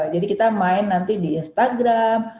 jadi kita main nanti di instagram